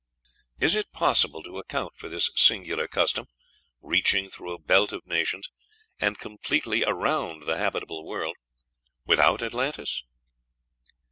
Is it possible to account for this singular custom, reaching through a belt of nations, and completely around the habitable world, without Atlantis?